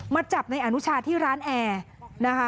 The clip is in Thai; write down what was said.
มาจับในอานุชาที่ร้านแอร์